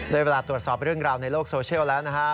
เวลาตรวจสอบเรื่องราวในโลกโซเชียลแล้วนะฮะ